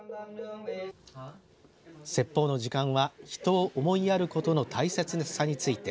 説法の時間は人を思いやることの大切さについて。